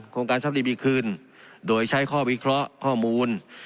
การชอบดีมีคืนโดยใช้ข้อวิเคราะห์ข้อมูล